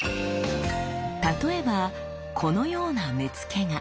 例えばこのような目付が！